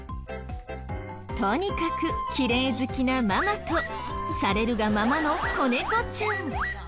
とにかくきれい好きなママとされるがままの子猫ちゃん。